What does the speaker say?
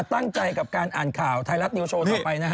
ตั้งใจกับการอ่านข่าวไทยรัฐนิวโชว์ต่อไปนะฮะ